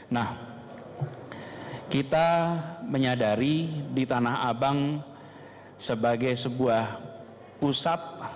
nah kita menyadari di tanah abang sebagai sebuah pusat